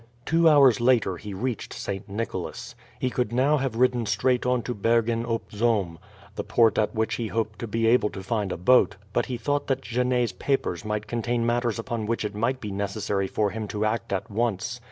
Two hours later he reached St. Nicholas. He could now have ridden straight on to Bergen op Zoom, the port at which he hoped to be able to find a boat, but he thought that Genet's papers might contain matters upon which it might be necessary for him to act at once.